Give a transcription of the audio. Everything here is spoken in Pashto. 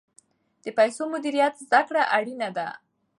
د پیسو مدیریت زده کړه اړینه ده.